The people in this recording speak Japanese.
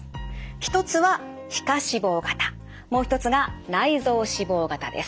一つは皮下脂肪型もう一つが内臓脂肪型です。